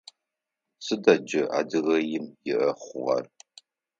Сыда джы Адыгеим иӏэ хъугъэр?